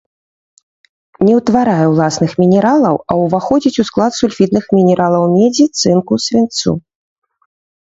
Не ўтварае ўласных мінералаў, а ўваходзіць у склад сульфідных мінералаў медзі, цынку, свінцу.